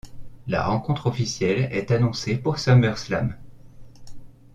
La rencontre officielle est annoncée pour SummerSlam.